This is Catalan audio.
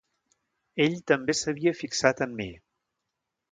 Ell també s'havia fixat en mi...